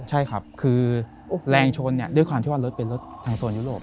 ใช่ครับคือแรงชนด้วยความที่ว่ารถเป็นรถทางโซนยุโรป